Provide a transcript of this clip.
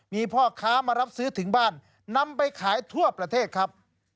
มีพ่อค้ามารับซื้อถึงบ้านนำไปขายทั่วประเทศครับ